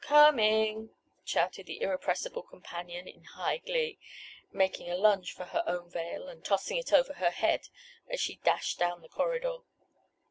"Com—ing!" shouted her irrepressible companion in high glee, making a lunge for her own veil, and tossing it over her head as she dashed down the corridor.